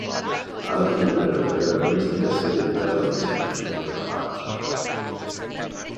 Alla fine della carriera agonistica si è dedicato all'insegnamento della marcia.